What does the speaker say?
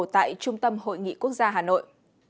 tại trung tâm hội nghị quốc gia hà nội